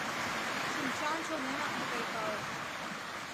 Шинча ончылнемак мутайкалыш.